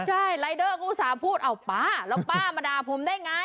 ใช่รายเดอร์ก็อุตส่าห์พูดเอาป้าแล้วป้ามาด่าผมได้ไง